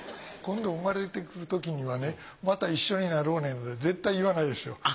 今度生まれてくるときにはねまた一緒になろうねなんて絶対言わないですよ。